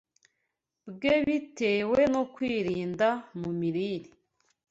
bwe bitewe no kwirinda mu mirire